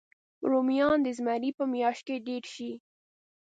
رومیان د زمري په میاشت کې ډېر شي